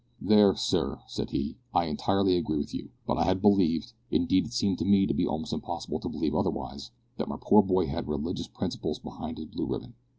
"There, sir," said he, "I entirely agree with you, but I had believed indeed it seems to me almost impossible to believe otherwise that my poor boy had religious principle behind his blue ribbon."